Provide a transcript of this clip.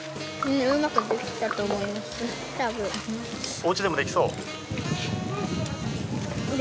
お家でもできそう？